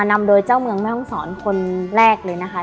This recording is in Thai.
นำโดยเจ้าเมืองแม่ห้องศรคนแรกเลยนะคะ